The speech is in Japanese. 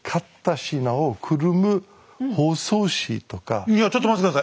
実はいやちょっと待って下さい。